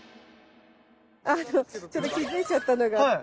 あのちょっと気付いちゃったのがあって。